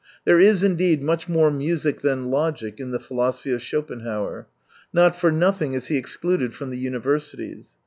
Thefe is indeed much more music than logic in the philosophy of Schopenhauer; Not for nothing is he excluded from the universities.